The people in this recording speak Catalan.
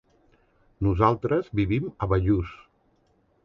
Nosaltres vivim a Bellús.